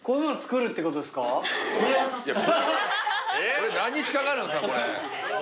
これ何日かかるんすか。